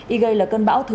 igei là cơn bão thứ chín